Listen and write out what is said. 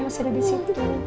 masih ada disitu